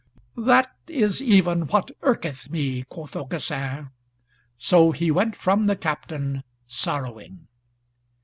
"That is even what irketh me," quoth Aucassin. So he went from the Captain sorrowing.